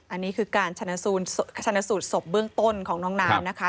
อันนี้คือการชนะสูตรศพเบื้องต้นของน้องน้ำนะคะ